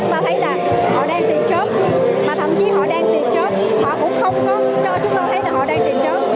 mà thậm chí họ đang tìm chớp họ cũng không có cho chúng ta thấy là họ đang tìm chớp